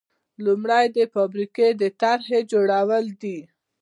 لومړی د فابریکې د طرحې جوړول دي.